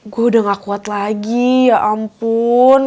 gue udah gak kuat lagi ya ampun